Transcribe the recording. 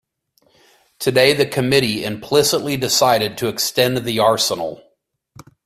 Today the committee implicitly decided to extend the arsenal.